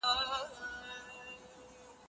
که هغه د بريا هيله لري، بايد نا اميده نسي.